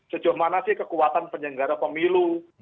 sejauh mana sih kekuatan penyelenggara pemilu